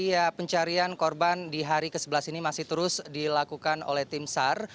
ya pencarian korban di hari ke sebelas ini masih terus dilakukan oleh tim sar